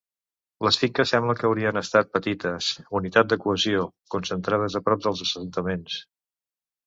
Les finques sembla que haurien estat petites, unitats de cohesió, concentrades a prop dels assentaments.